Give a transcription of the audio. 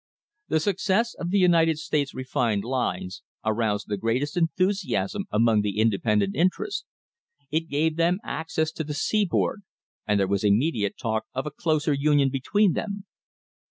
The success of the United States refined line aroused the greatest enthusiasm among the independent interests. It gave them access to the seaboard, and there was immediate talk of a closer union between them.